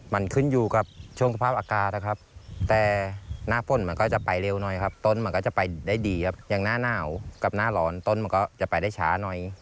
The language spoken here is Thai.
มันขึ้นอยู่กับช่วงสภาพอากาศนะครับแต่หน้าฝนมันก็จะไปเร็วหน่อยครับต้นมันก็จะไปได้ดีครับอย่างหน้าหนาวกับหน้าร้อนต้นมันก็จะไปได้ช้าหน่อย